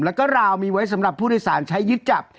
แล้วก็ราวมีไว้สำหรับผู้โดยสารใช้ยึดจับ